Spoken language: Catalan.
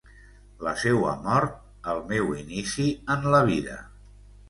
La seua mort, el meu inici en la vida.